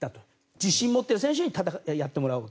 自信持っている選手にやってもらおうと。